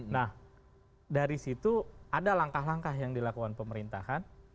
nah dari situ ada langkah langkah yang dilakukan pemerintahan